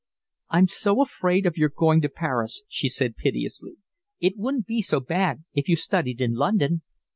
"I'm so afraid of your going to Paris," she said piteously. "It wouldn't be so bad if you studied in London."